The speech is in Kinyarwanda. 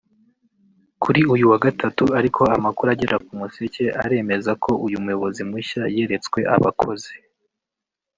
Kuri uyu wa gatatu ariko amakuru agera k’Umuseke aremeza ko uyu muyobozi mushya yeretswe abakozi